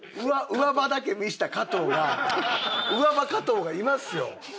上歯だけ見せた加藤が上歯加藤がいますよ。